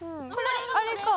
あれか。